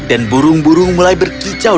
dan burung burung mulai berkicau